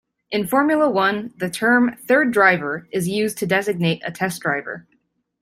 In Formula One, the term third driver is used to designate a test driver.